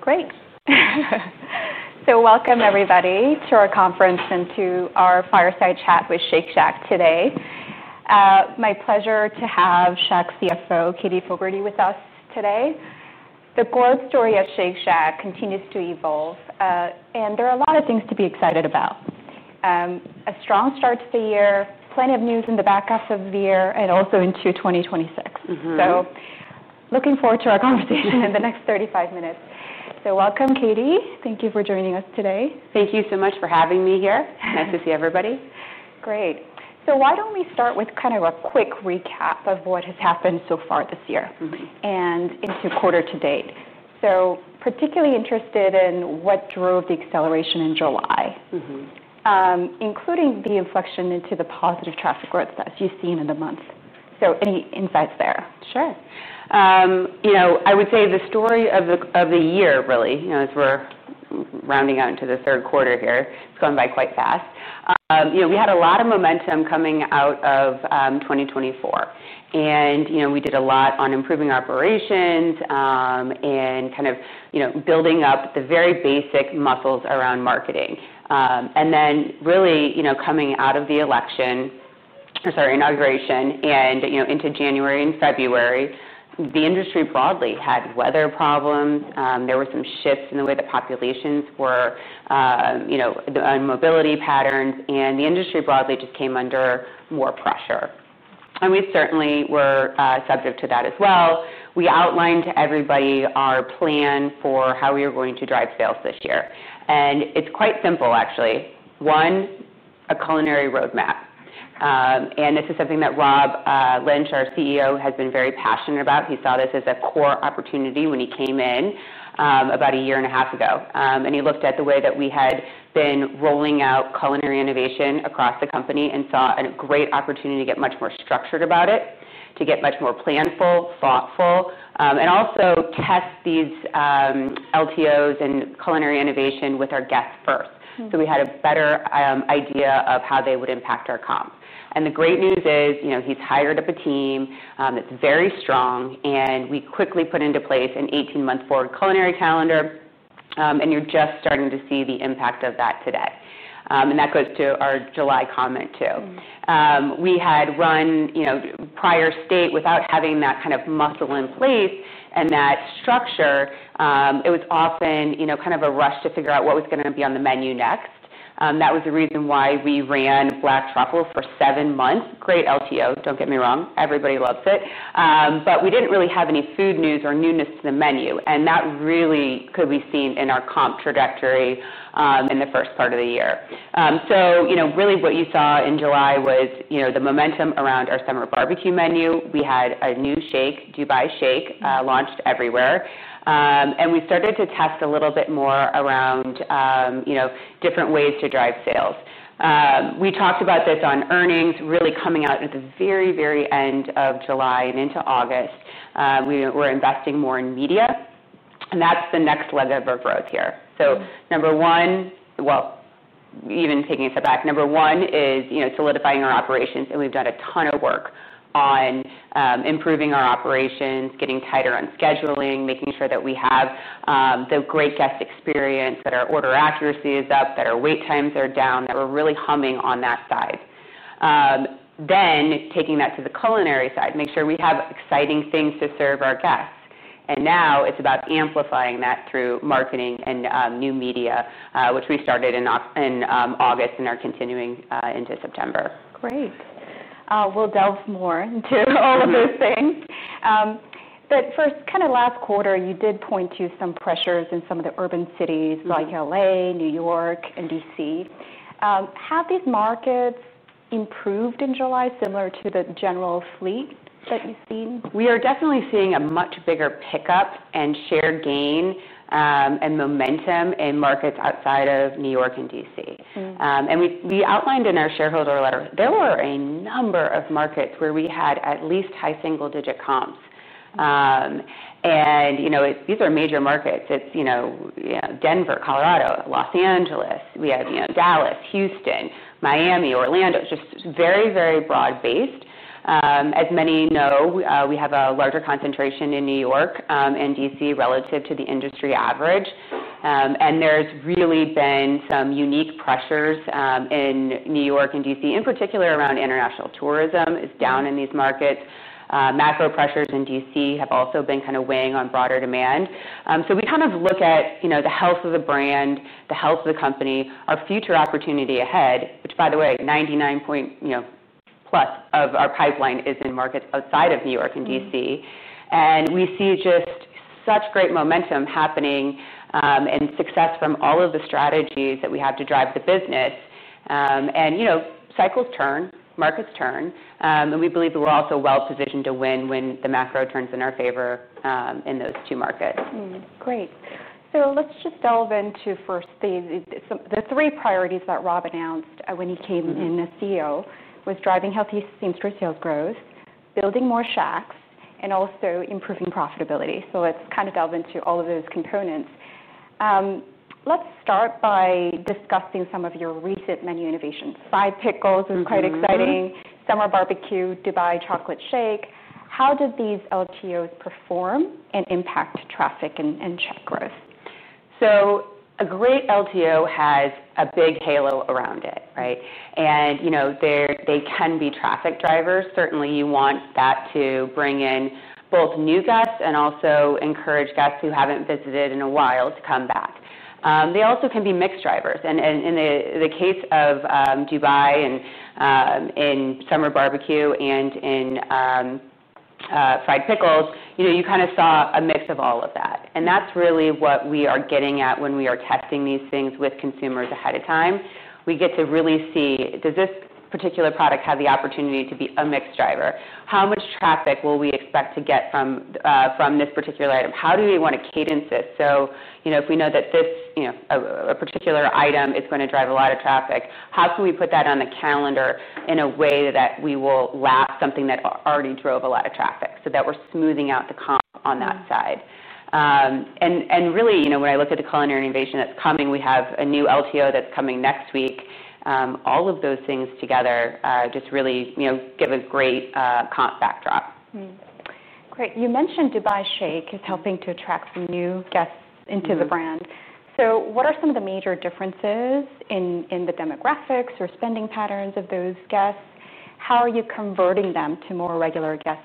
Great. So welcome, everybody, to our conference and to our fireside chat with Shake Shack today. My pleasure to have Shake Shack's CFO, Katie Fogertey, with us today. The growth story of Shake Shack continues to evolve, and there are a lot of things to be excited about. A strong start to the year, plenty of news in the back half of the year, and also into 2026. So, looking forward to our conversation in the next 35 minutes. So welcome, Katie. Thank you for joining us today. Thank you so much for having me here. Nice to see everybody. Great. So why don't we start with kind of a quick recap of what has happened so far this year and into quarter to date? So particularly interested in what drove the acceleration in July, including the inflection into the positive traffic growth that you've seen in the month. So any insights there? Sure. I would say the story of the year, really, as we're rounding out into the third quarter here, it's gone by quite fast. We had a lot of momentum coming out of 2024, and we did a lot on improving operations and kind of building up the very basic muscles around marketing, and then really coming out of the election, or sorry, inauguration, and into January and February, the industry broadly had weather problems. There were some shifts in the way that populations were on mobility patterns, and the industry broadly just came under more pressure, and we certainly were subject to that as well. We outlined to everybody our plan for how we were going to drive sales this year, and it's quite simple, actually. One, a culinary roadmap, and this is something that Rob Lynch, our CEO, has been very passionate about. He saw this as a core opportunity when he came in about a year and a half ago. And he looked at the way that we had been rolling out culinary innovation across the company and saw a great opportunity to get much more structured about it, to get much more planful, thoughtful, and also test these LTOs and culinary innovation with our guests first. So we had a better idea of how they would impact our comps. And the great news is he's hired up a team that's very strong, and we quickly put into place an 18-month forward culinary calendar, and you're just starting to see the impact of that today. And that goes to our July comment, too. We had run prior year without having that kind of muscle in place, and that structure. It was often kind of a rush to figure out what was going to be on the menu next. That was the reason why we ran Black Truffle for seven months. Great LTO, don't get me wrong. Everybody loves it. But we didn't really have any food news or newness to the menu. And that really could be seen in our comp trajectory in the first part of the year. So really what you saw in July was the momentum around our Summer Barbecue menu. We had a new shake, Dubai Shake, launched everywhere. And we started to test a little bit more around different ways to drive sales. We talked about this on earnings, really coming out at the very, very end of July and into August. We were investing more in media. And that's the next leg of our growth here. So number one, well, even taking a step back, number one is solidifying our operations. And we've done a ton of work on improving our operations, getting tighter on scheduling, making sure that we have the great guest experience, that our order accuracy is up, that our wait times are down, that we're really humming on that side. Then taking that to the culinary side, make sure we have exciting things to serve our guests. And now it's about amplifying that through marketing and new media, which we started in August and are continuing into September. Great. We'll delve more into all of those things. But for kind of last quarter, you did point to some pressures in some of the urban cities like LA, New York, and DC. Have these markets improved in July, similar to the general fleet that you've seen? We are definitely seeing a much bigger pickup and shared gain and momentum in markets outside of New York and DC. And we outlined in our shareholder letter, there were a number of markets where we had at least high single-digit comps. And these are major markets. It's Denver, Colorado, Los Angeles. We have Dallas, Houston, Miami, Orlando, just very, very broad-based. As many know, we have a larger concentration in New York and DC relative to the industry average. And there's really been some unique pressures in New York and DC, in particular around international tourism is down in these markets. Macro pressures in DC have also been kind of weighing on broader demand. We kind of look at the health of the brand, the health of the company, our future opportunity ahead, which, by the way, 99% plus of our pipeline is in markets outside of New York and DC. We see just such great momentum happening and success from all of the strategies that we have to drive the business. Cycles turn, markets turn. We believe that we're also well-positioned to win when the macro turns in our favor in those two markets. Great. So let's just delve into first the three priorities that Rob announced when he came in as CEO, was driving healthy same-store sales growth, building more shacks, and also improving profitability. So let's kind of delve into all of those components. Let's start by discussing some of your recent menu innovations. Fried Pickles is quite exciting, Summer Barbecue, Dubai Shake. How did these LTOs perform and impact traffic and check growth? So a great LTO has a big halo around it, right? And they can be traffic drivers. Certainly, you want that to bring in both new guests and also encourage guests who haven't visited in a while to come back. They also can be mix drivers. And in the case of Dubai and in Summer Barbecue and in Fried Pickles, you kind of saw a mix of all of that. And that's really what we are getting at when we are testing these things with consumers ahead of time. We get to really see, does this particular product have the opportunity to be a mix driver? How much traffic will we expect to get from this particular item? How do we want to cadence this? If we know that this particular item is going to drive a lot of traffic, how can we put that on the calendar in a way that we will lap something that already drove a lot of traffic so that we're smoothing out the comp on that side? Really, when I look at the culinary innovation that's coming, we have a new LTO that's coming next week. All of those things together just really give a great comp backdrop. Great. You mentioned Dubai Shake is helping to attract some new guests into the brand. So what are some of the major differences in the demographics or spending patterns of those guests? How are you converting them to more regular guests?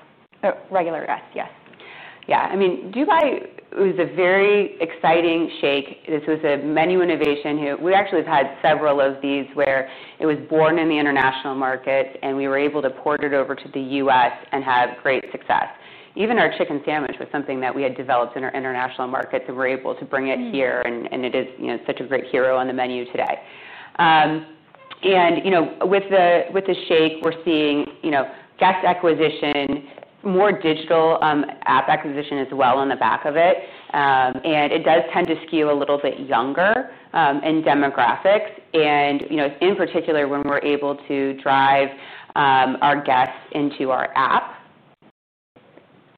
Yes. Yeah. I mean, Dubai was a very exciting shake. This was a menu innovation. We actually have had several of these where it was born in the international markets, and we were able to port it over to the U.S. and have great success. Even our chicken sandwich was something that we had developed in our international markets and were able to bring it here, and it is such a great hero on the menu today, and with the shake, we're seeing guest acquisition, more digital app acquisition as well on the back of it, and it does tend to skew a little bit younger in demographics, and in particular, when we're able to drive our guests into our app,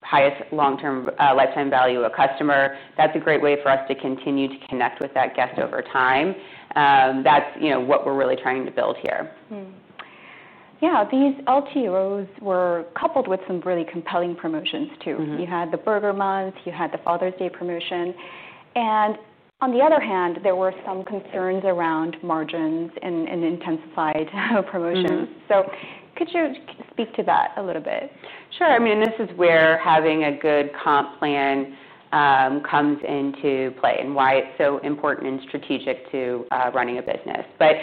highest long-term lifetime value of a customer, that's a great way for us to continue to connect with that guest over time. That's what we're really trying to build here. Yeah. These LTOs were coupled with some really compelling promotions, too. You had the Burger Month, you had the Father's Day promotion. And on the other hand, there were some concerns around margins and intensified promotions. So could you speak to that a little bit? Sure. I mean, this is where having a good comp plan comes into play and why it's so important and strategic to running a business. But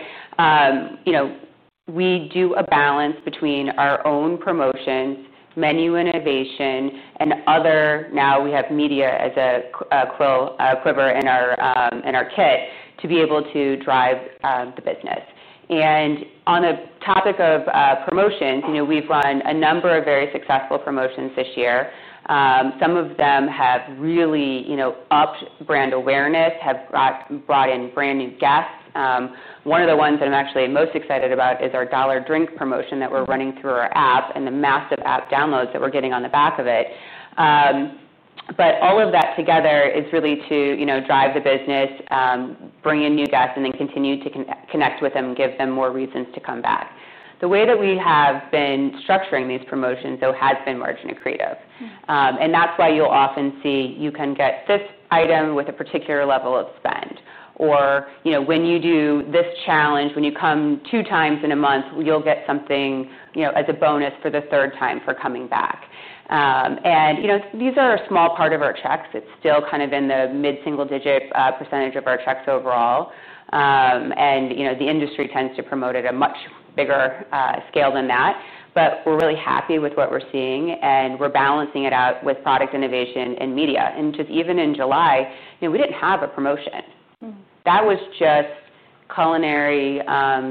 we strike a balance between our own promotions, menu innovation, and others. Now we have media as another arrow in our quiver to be able to drive the business. And on the topic of promotions, we've run a number of very successful promotions this year. Some of them have really upped brand awareness, have brought in brand new guests. One of the ones that I'm actually most excited about is our Dollar Drink promotion that we're running through our app and the massive app downloads that we're getting on the back of it. But all of that together is really to drive the business, bring in new guests, and then continue to connect with them and give them more reasons to come back. The way that we have been structuring these promotions, though, has been margin accretive. And that's why you'll often see you can get this item with a particular level of spend, or when you do this challenge, when you come two times in a month, you'll get something as a bonus for the third time for coming back. And these are a small part of our checks. It's still kind of in the mid-single-digit % of our checks overall. And the industry tends to promote at a much bigger scale than that. But we're really happy with what we're seeing, and we're balancing it out with product innovation and media. And just even in July, we didn't have a promotion. That was just culinary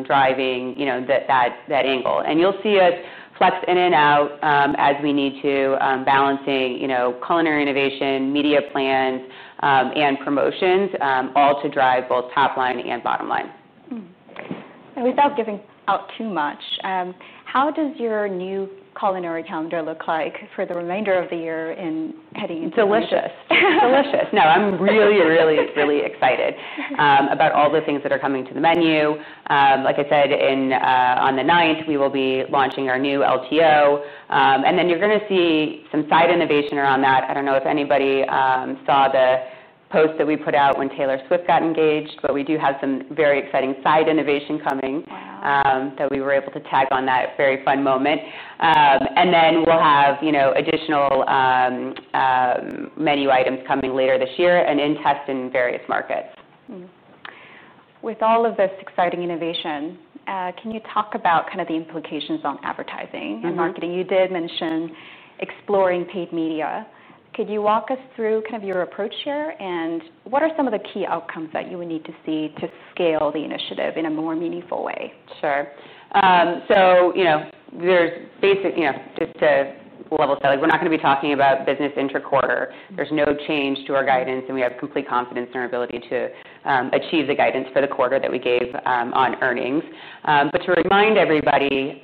driving that angle. You'll see us flex in and out as we need to, balancing culinary innovation, media plans, and promotions, all to drive both top line and bottom line. Without giving out too much, how does your new culinary calendar look like for the remainder of the year and heading into next year? Delicious. Delicious. No, I'm really, really, really excited about all the things that are coming to the menu. Like I said, on the 9th, we will be launching our new LTO. And then you're going to see some side innovation around that. I don't know if anybody saw the post that we put out when Taylor Swift got engaged, but we do have some very exciting side innovation coming that we were able to tag on that very fun moment. And then we'll have additional menu items coming later this year and in test in various markets. With all of this exciting innovation, can you talk about kind of the implications on advertising and marketing? You did mention exploring paid media. Could you walk us through kind of your approach here? And what are some of the key outcomes that you would need to see to scale the initiative in a more meaningful way? Sure. So there are basics just to level set, we're not going to be talking about business intra-quarter. There's no change to our guidance, and we have complete confidence in our ability to achieve the guidance for the quarter that we gave on earnings. But to remind everybody,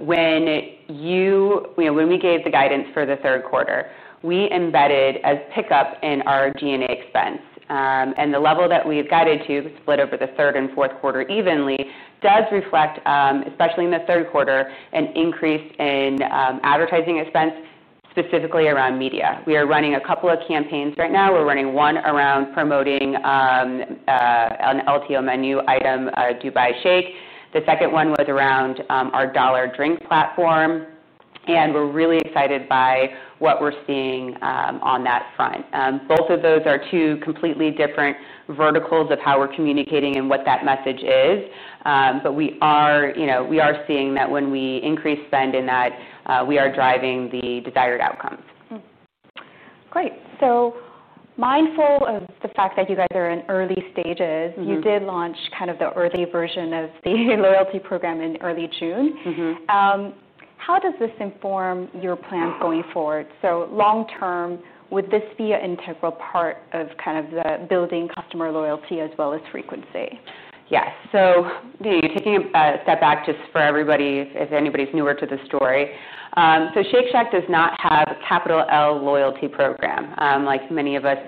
when we gave the guidance for the third quarter, we embedded a pickup in our G&A expense. And the level that we've guided to split over the third and fourth quarter evenly does reflect, especially in the third quarter, an increase in advertising expense, specifically around media. We are running a couple of campaigns right now. We're running one around promoting an LTO menu item, Dubai Shake. The second one was around our Dollar Drink platform. And we're really excited by what we're seeing on that front. Both of those are two completely different verticals of how we're communicating and what that message is. But we are seeing that when we increase spend in that, we are driving the desired outcomes. Great. So mindful of the fact that you guys are in early stages, you did launch kind of the early version of the loyalty program in early June. How does this inform your plans going forward? So long term, would this be an integral part of kind of the building customer loyalty as well as frequency? Yes. So taking a step back just for everybody, if anybody's newer to the story, so Shake Shack does not have a capital L loyalty program like many of us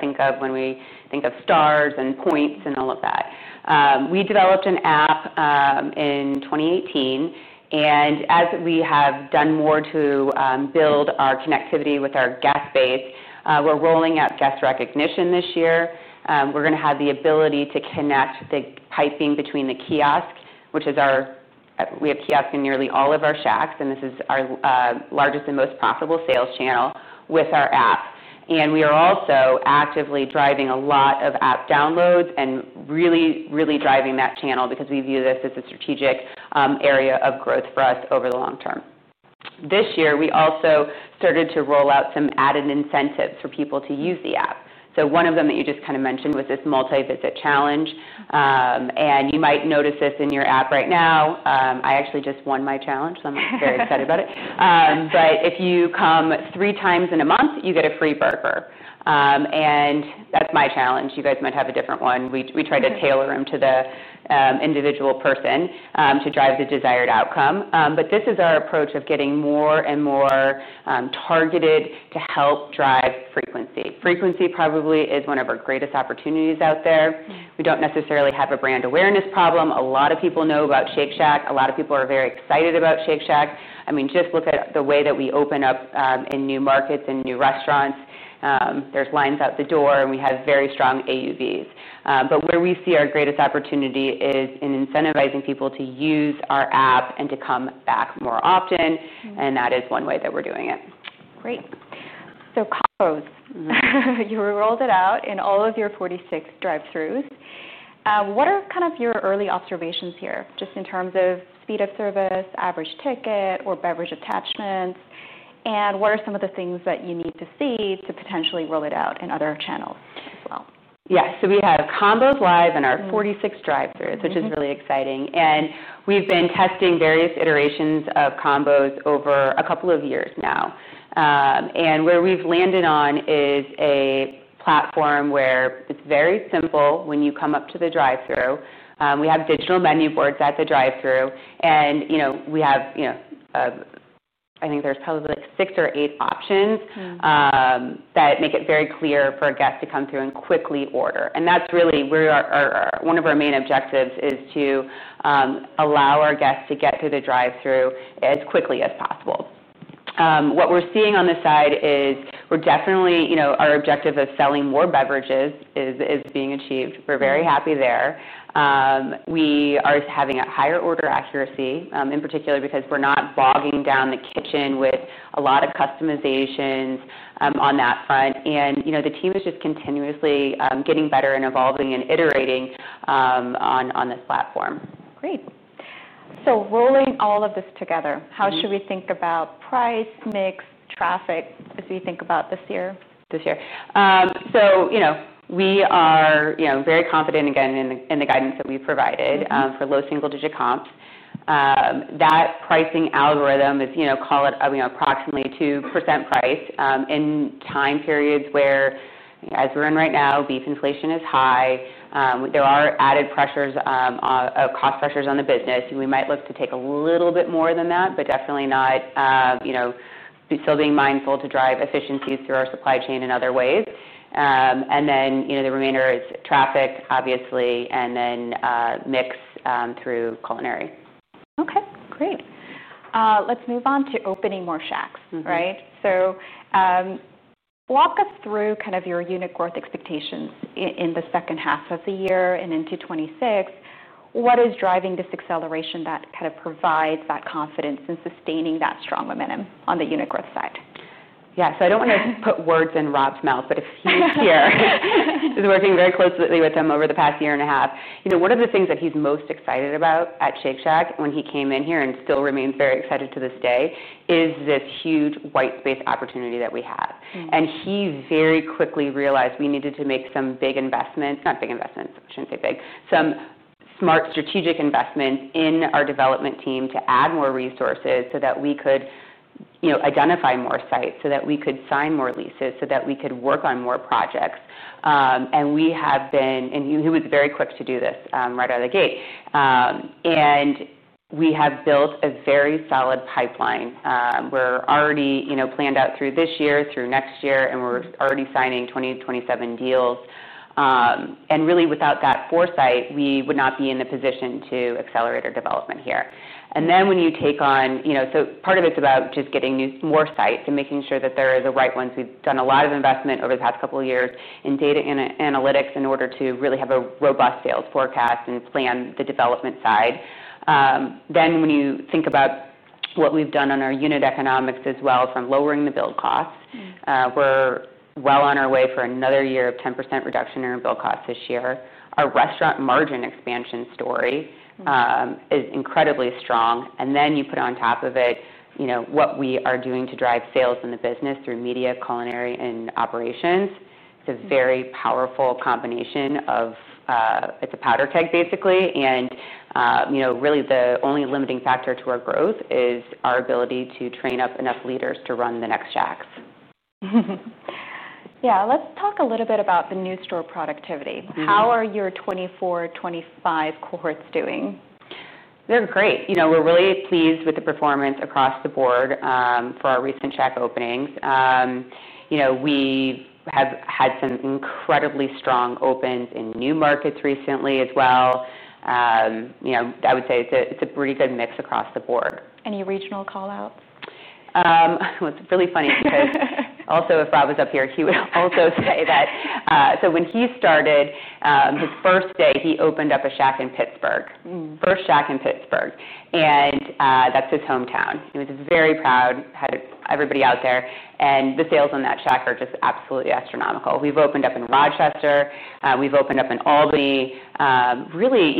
think of when we think of stars and points and all of that. We developed an app in 2018. And as we have done more to build our connectivity with our guest base, we're rolling out guest recognition this year. We're going to have the ability to connect the piping between the kiosk, which we have in nearly all of our Shacks, and this is our largest and most profitable sales channel with our app. And we are also actively driving a lot of app downloads and really, really driving that channel because we view this as a strategic area of growth for us over the long term. This year, we also started to roll out some added incentives for people to use the app. So one of them that you just kind of mentioned was this multi-visit challenge. And you might notice this in your app right now. I actually just won my challenge, so I'm very excited about it. But if you come three times in a month, you get a free burger. And that's my challenge. You guys might have a different one. We try to tailor them to the individual person to drive the desired outcome. But this is our approach of getting more and more targeted to help drive frequency. Frequency probably is one of our greatest opportunities out there. We don't necessarily have a brand awareness problem. A lot of people know about Shake Shack. A lot of people are very excited about Shake Shack. I mean, just look at the way that we open up in new markets and new restaurants. There's lines out the door, and we have very strong AUVs. But where we see our greatest opportunity is in incentivizing people to use our app and to come back more often. And that is one way that we're doing it. Great. So combos, you rolled it out in all of your 46 drive-throughs. What are kind of your early observations here just in terms of speed of service, average ticket, or beverage attachments? And what are some of the things that you need to see to potentially roll it out in other channels as well? Yeah. So we have combos live in our 46 drive-throughs, which is really exciting. And we've been testing various iterations of combos over a couple of years now. And where we've landed on is a platform where it's very simple when you come up to the drive-through. We have digital menu boards at the drive-through. And we have, I think there's probably like six or eight options that make it very clear for a guest to come through and quickly order. And that's really one of our main objectives is to allow our guests to get through the drive-through as quickly as possible. What we're seeing on the side is we're definitely our objective of selling more beverages is being achieved. We're very happy there. We are having a higher order accuracy, in particular because we're not bogging down the kitchen with a lot of customizations on that front. The team is just continuously getting better and evolving and iterating on this platform. Great. So rolling all of this together, how should we think about price, mix, traffic as we think about this year? This year. So we are very confident, again, in the guidance that we've provided for low single-digit comps. That pricing algorithm is called approximately 2% price in time periods where, as we're in right now, beef inflation is high. There are added pressures, cost pressures on the business. We might look to take a little bit more than that, but definitely not still being mindful to drive efficiencies through our supply chain in other ways. And then the remainder is traffic, obviously, and then mix through culinary. Okay. Great. Let's move on to opening more shacks, right? So walk us through kind of your unit growth expectations in the second half of the year and into 2026. What is driving this acceleration that kind of provides that confidence in sustaining that strong momentum on the unit growth side? Yeah. So I don't want to put words in Rob's mouth, but I have been working very closely with him over the past year and a half. One of the things that he's most excited about at Shake Shack when he came in here and still remains very excited to this day is this huge white space opportunity that we have. He very quickly realized we needed to make some big investments, not big investments, I shouldn't say big, some smart strategic investments in our development team to add more resources so that we could identify more sites, so that we could sign more leases, so that we could work on more projects. We have been, and he was very quick to do this right out of the gate. We have built a very solid pipeline. We're already planned out through this year, through next year, and we're already signing 2027 deals, and really, without that foresight, we would not be in a position to accelerate our development here, and then when you take on, so part of it's about just getting more sites and making sure that they're the right ones. We've done a lot of investment over the past couple of years in data and analytics in order to really have a robust sales forecast and plan the development side, then when you think about what we've done on our unit economics as well from lowering the build costs, we're well on our way for another year of 10% reduction in our build costs this year. Our restaurant margin expansion story is incredibly strong. Then you put on top of it what we are doing to drive sales in the business through media, culinary, and operations. It's a very powerful combination. It's a powder keg, basically. Really, the only limiting factor to our growth is our ability to train up enough leaders to run the next shacks. Yeah. Let's talk a little bit about the new store productivity. How are your 2024, 2025 cohorts doing? They're great. We're really pleased with the performance across the board for our recent shack openings. We have had some incredibly strong opens in new markets recently as well. I would say it's a pretty good mix across the board. Any regional callouts? It's really funny because also, if Rob was up here, he would also say that. When he started, his first day, he opened up a shack in Pittsburgh, first shack in Pittsburgh, and that's his hometown. He was very proud, had everybody out there. The sales on that shack are just absolutely astronomical. We've opened up in Rochester. We've opened up in Albany. Really,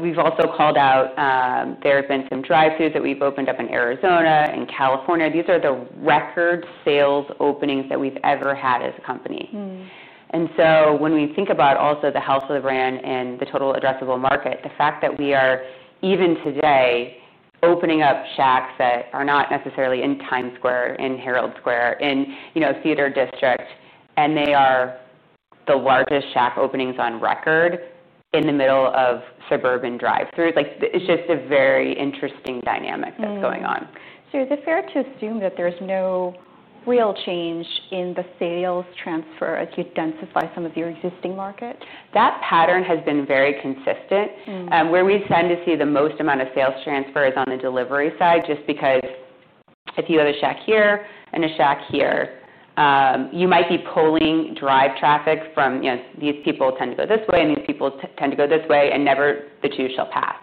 we've also called out there have been some drive-throughs that we've opened up in Arizona and California. These are the record sales openings that we've ever had as a company. So when we think about also the health of the brand and the total addressable market, the fact that we are even today opening up Shacks that are not necessarily in Times Square, in Herald Square, in Theater District, and they are the largest Shack openings on record in the middle of suburban drive-throughs, it's just a very interesting dynamic that's going on. So is it fair to assume that there's no real change in the sales transfer as you densify some of your existing market? That pattern has been very consistent. Where we tend to see the most amount of sales transfer is on the delivery side just because if you have a shack here and a shack here, you might be pulling drive traffic from. These people tend to go this way, and these people tend to go this way, and never the two shall pass.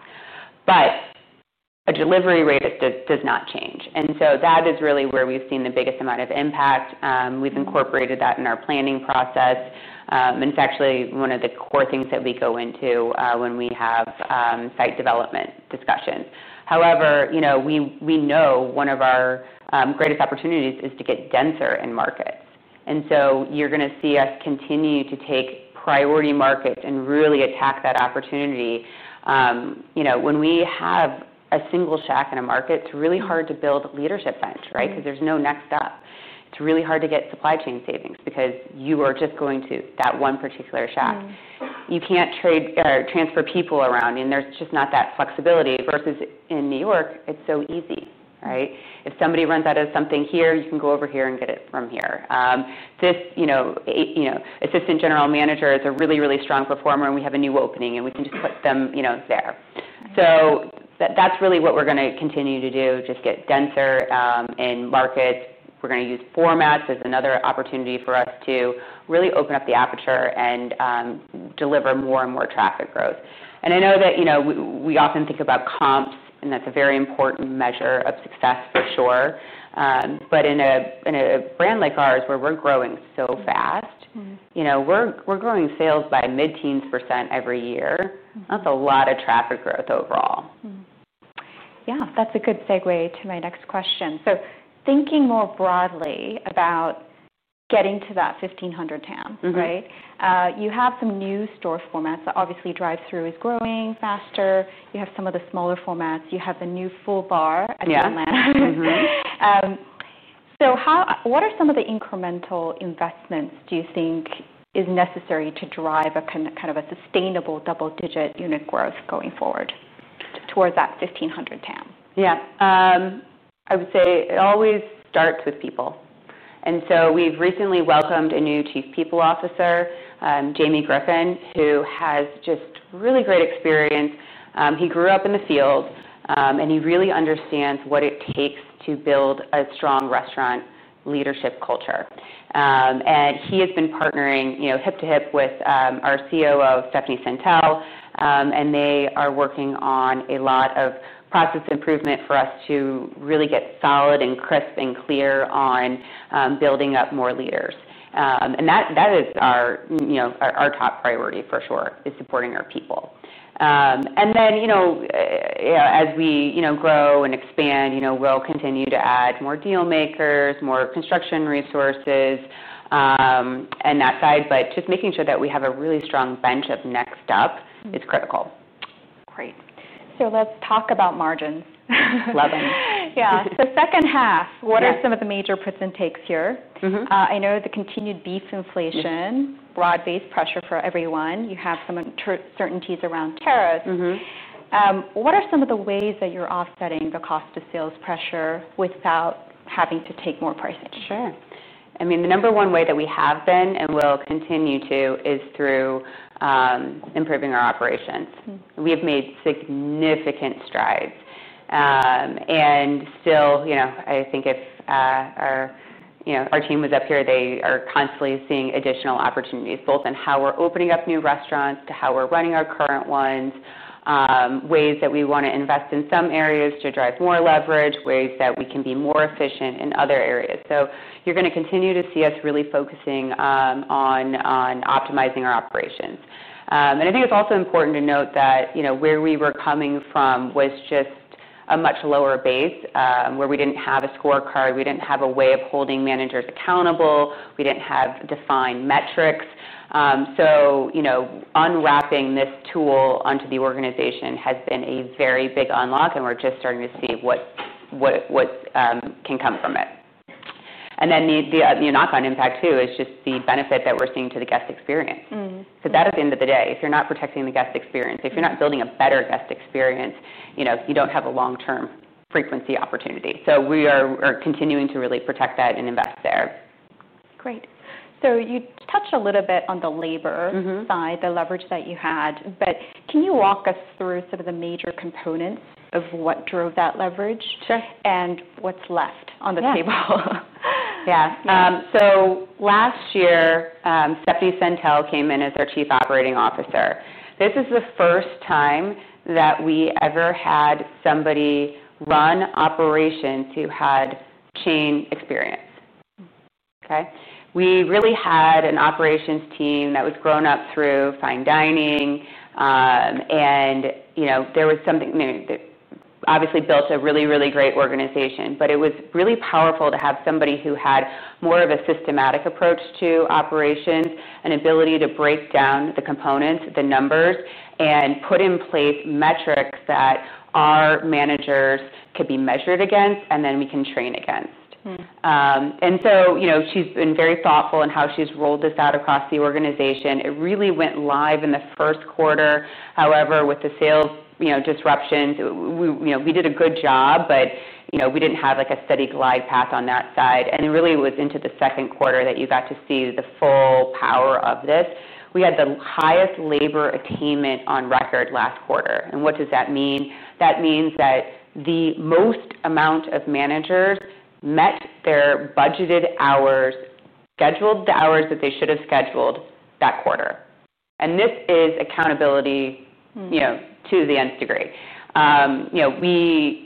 But a delivery rate does not change. And so that is really where we've seen the biggest amount of impact. We've incorporated that in our planning process. And it's actually one of the core things that we go into when we have site development discussions. However, we know one of our greatest opportunities is to get denser in markets. And so you're going to see us continue to take priority markets and really attack that opportunity. When we have a single Shack in a market, it's really hard to build leadership bench, right? Because there's no next step. It's really hard to get supply chain savings because you are just going to that one particular Shack. You can't transfer people around, and there's just not that flexibility versus in New York, it's so easy, right? If somebody runs out of something here, you can go over here and get it from here. This assistant general manager is a really, really strong performer, and we have a new opening, and we can just put them there. So that's really what we're going to continue to do, just get denser in markets. We're going to use formats as another opportunity for us to really open up the aperture and deliver more and more traffic growth. And I know that we often think about comps, and that's a very important measure of success for sure. But in a brand like ours where we're growing so fast, we're growing sales by a mid-teens % every year. That's a lot of traffic growth overall. Yeah. That's a good segue to my next question. So thinking more broadly about getting to that 1,500 TAM, right? You have some new store formats. Obviously, drive-through is growing faster. You have some of the smaller formats. You have the new full bar at the Atlanta business. So what are some of the incremental investments do you think is necessary to drive kind of a sustainable double-digit unit growth going forward towards that 1,500 TAM? Yeah. I would say it always starts with people, and so we've recently welcomed a new Chief People Officer, Jamie Griffin, who has just really great experience. He grew up in the field, and he really understands what it takes to build a strong restaurant leadership culture, and he has been partnering hip to hip with our COO, Stephanie Sentell, and they are working on a lot of process improvement for us to really get solid and crisp and clear on building up more leaders, and that is our top priority for sure, is supporting our people, and then as we grow and expand, we'll continue to add more dealmakers, more construction resources on that side, but just making sure that we have a really strong bench of next up is critical. Great. So let's talk about margins. Lovely. Yeah. So second half, what are some of the major pain points here? I know the continued beef inflation, broad-based pressure for everyone. You have some uncertainties around tariffs. What are some of the ways that you're offsetting the cost of sales pressure without having to take more price action? Sure. I mean, the number one way that we have been and will continue to is through improving our operations. We have made significant strides, and still, I think if our team was up here, they are constantly seeing additional opportunities, both in how we're opening up new restaurants to how we're running our current ones, ways that we want to invest in some areas to drive more leverage, ways that we can be more efficient in other areas, so you're going to continue to see us really focusing on optimizing our operations, and I think it's also important to note that where we were coming from was just a much lower base where we didn't have a scorecard. We didn't have a way of holding managers accountable. We didn't have defined metrics. So unwrapping this tool onto the organization has been a very big unlock, and we're just starting to see what can come from it. And then the knock-on impact too is just the benefit that we're seeing to the guest experience. So that at the end of the day, if you're not protecting the guest experience, if you're not building a better guest experience, you don't have a long-term frequency opportunity. So we are continuing to really protect that and invest there. Great, so you touched a little bit on the labor side, the leverage that you had. But can you walk us through some of the major components of what drove that leverage and what's left on the table? Yeah. So last year, Stephanie Sentell came in as our Chief Operating Officer. This is the first time that we ever had somebody run operations who had chain experience. Okay? We really had an operations team that was grown up through fine dining, and there was something that obviously built a really, really great organization. But it was really powerful to have somebody who had more of a systematic approach to operations, an ability to break down the components, the numbers, and put in place metrics that our managers could be measured against and then we can train against. And so she's been very thoughtful in how she's rolled this out across the organization. It really went live in the first quarter. However, with the sales disruptions, we did a good job, but we didn't have a steady glide path on that side. Really, it was into the second quarter that you got to see the full power of this. We had the highest labor attainment on record last quarter. What does that mean? That means that the most amount of managers met their budgeted hours, scheduled the hours that they should have scheduled that quarter. This is accountability to the nth degree.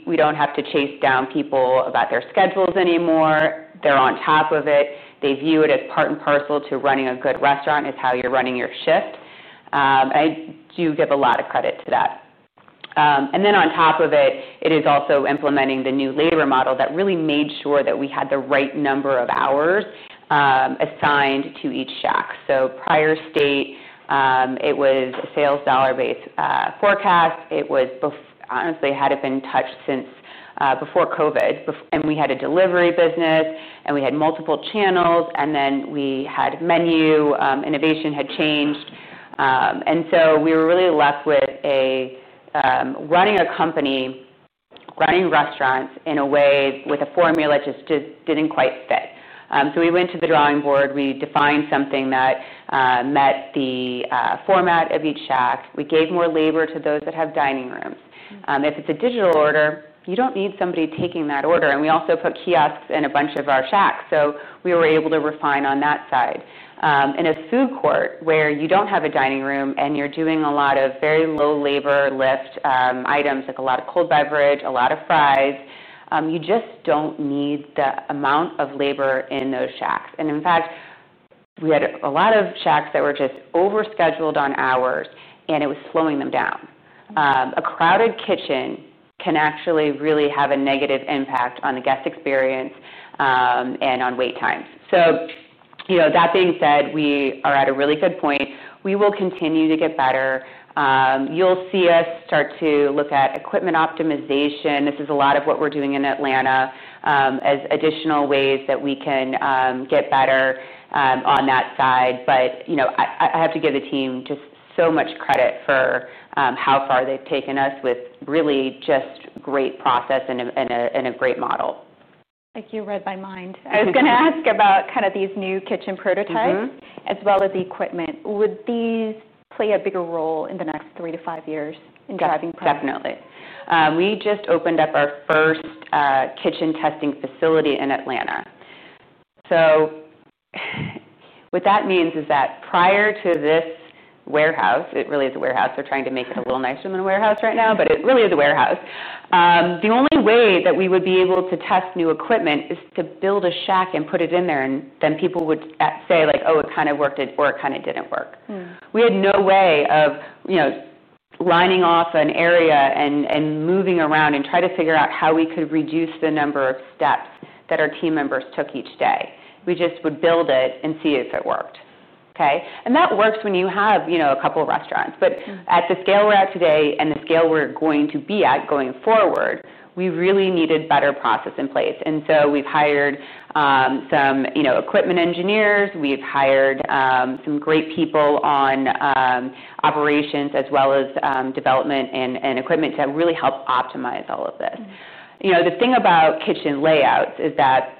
We don't have to chase down people about their schedules anymore. They're on top of it. They view it as part and parcel to running a good restaurant, how you're running your shift. I do give a lot of credit to that. Then on top of it, it is also implementing the new labor model that really made sure that we had the right number of hours assigned to each Shack. Prior state, it was a sales dollar-based forecast. It was, honestly, hadn't been touched since before COVID. And we had a delivery business, and we had multiple channels, and then we had menu innovation had changed. And so we were really left with running a company, running restaurants in a way with a formula just didn't quite fit. So we went to the drawing board. We defined something that met the format of each Shack. We gave more labor to those that have dining rooms. If it's a digital order, you don't need somebody taking that order. And we also put kiosks in a bunch of our Shacks. So we were able to refine on that side. And as food court, where you don't have a dining room and you're doing a lot of very low labor lift items, like a lot of cold beverage, a lot of fries, you just don't need the amount of labor in those shacks. And in fact, we had a lot of shacks that were just over-scheduled on hours, and it was slowing them down. A crowded kitchen can actually really have a negative impact on the guest experience and on wait times. So that being said, we are at a really good point. We will continue to get better. You'll see us start to look at equipment optimization. This is a lot of what we're doing in Atlanta as additional ways that we can get better on that side. But I have to give the team just so much credit for how far they've taken us with really just a great process and a great model. Like you read my mind. I was going to ask about kind of these new kitchen prototypes as well as the equipment. Would these play a bigger role in the next three to five years in driving? Definitely. We just opened up our first kitchen testing facility in Atlanta. So what that means is that prior to this warehouse, it really is a warehouse. We're trying to make it a little nicer than a warehouse right now, but it really is a warehouse. The only way that we would be able to test new equipment is to build a shack and put it in there, and then people would say, "Oh, it kind of worked," or, "It kind of didn't work." We had no way of lining off an area and moving around and trying to figure out how we could reduce the number of steps that our team members took each day. We just would build it and see if it worked. Okay? And that works when you have a couple of restaurants. But at the scale we're at today and the scale we're going to be at going forward, we really needed better processes in place. And so we've hired some equipment engineers. We've hired some great people on operations as well as development and equipment to really help optimize all of this. The thing about kitchen layouts is that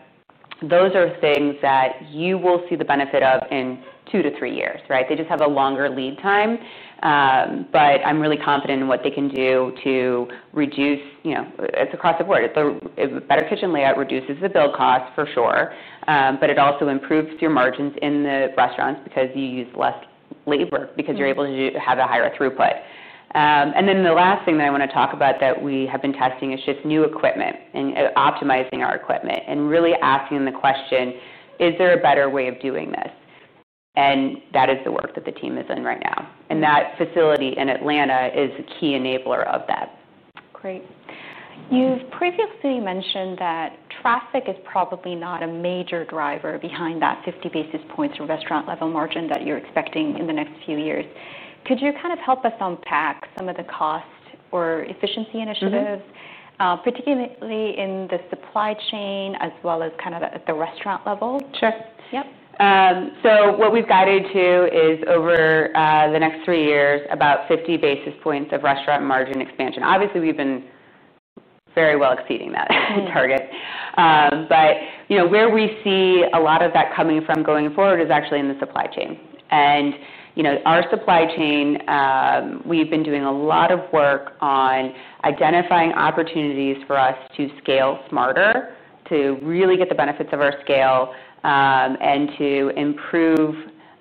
those are things that you will see the benefit of in two-to-three years, right? They just have a longer lead time. But I'm really confident in what they can do to reduce costs across the board. A better kitchen layout reduces the build cost for sure, but it also improves your margins in the restaurants because you use less labor because you're able to have a higher throughput. Then the last thing that I want to talk about that we have been testing is just new equipment and optimizing our equipment and really asking the question, "Is there a better way of doing this?" That is the work that the team is in right now. That facility in Atlanta is a key enabler of that. Great. You've previously mentioned that traffic is probably not a major driver behind that 50 basis points restaurant-level margin that you're expecting in the next few years. Could you kind of help us unpack some of the cost or efficiency initiatives, particularly in the supply chain as well as kind of at the restaurant level? Sure. So what we've guided to is over the next three years, about 50 basis points of restaurant margin expansion. Obviously, we've been very well exceeding that target. But where we see a lot of that coming from going forward is actually in the supply chain. And our supply chain, we've been doing a lot of work on identifying opportunities for us to scale smarter, to really get the benefits of our scale, and to improve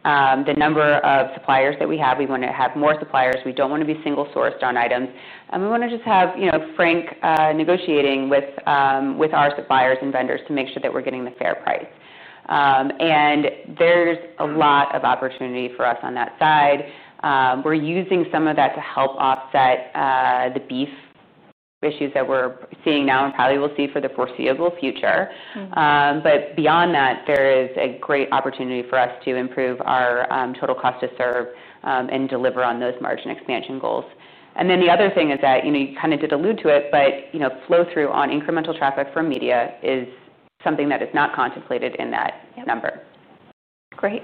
the number of suppliers that we have. We want to have more suppliers. We don't want to be single-sourced on items. And we want to just have frank negotiating with our suppliers and vendors to make sure that we're getting the fair price. And there's a lot of opportunity for us on that side. We're using some of that to help offset the beef issues that we're seeing now and probably will see for the foreseeable future. But beyond that, there is a great opportunity for us to improve our total cost to serve and deliver on those margin expansion goals. And then the other thing is that you kind of did allude to it, but flow-through on incremental traffic from media is something that is not contemplated in that number. Great.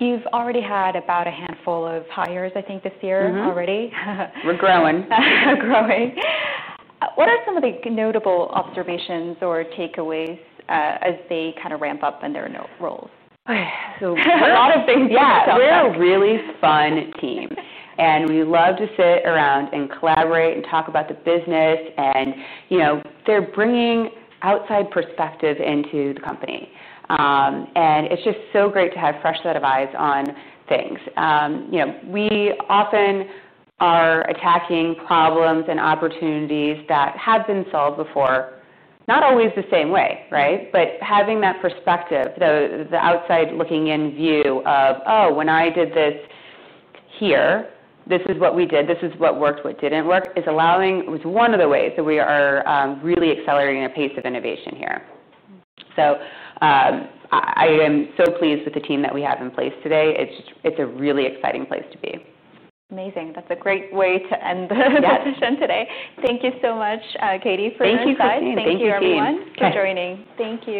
You've already had about a handful of hires, I think, this year already. We're growing. Growing. What are some of the notable observations or takeaways as they kind of ramp up in their roles? So, a lot of things to tell. We're a really fun team, and we love to sit around and collaborate and talk about the business. And they're bringing outside perspective into the company. And it's just so great to have a fresh set of eyes on things. We often are attacking problems and opportunities that have been solved before, not always the same way, right? But having that perspective, the outside looking-in view of, "Oh, when I did this here, this is what we did. This is what worked, what didn't work," is one of the ways that we are really accelerating at a pace of innovation here. So, I am so pleased with the team that we have in place today. It's a really exciting place to be. Amazing. That's a great way to end the session today. Thank you so much, Katie, for your insight. Thank you for having me. Thank you, everyone, for joining. Thank you.